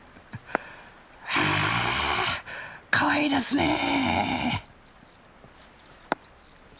はぁかわいいですねえ。